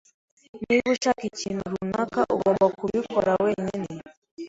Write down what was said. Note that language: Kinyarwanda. Niba ushaka ikintu runaka, ugomba kubikora wenyine.